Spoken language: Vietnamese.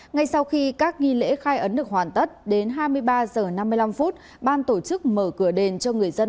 ngay sau khi các nghi lễ khai ấn được hoàn tất đến hai mươi ba h năm mươi năm ban tổ chức mở cửa đền cho người dân